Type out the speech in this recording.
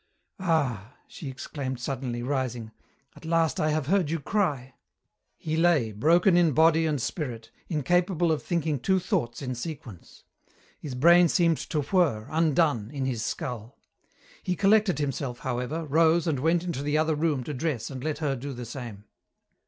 "Ah!" she exclaimed suddenly, rising, "at last I have heard you cry!" He lay, broken in body and spirit, incapable of thinking two thoughts in sequence. His brain seemed to whir, undone, in his skull. He collected himself, however, rose and went into the other room to dress and let her do the same.